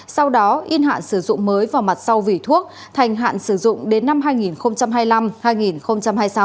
sau đó in hạn sử dụng mới vào mặt sau vỉ thuốc thành hạn sử dụng đến năm hai nghìn hai mươi năm hai nghìn hai mươi sáu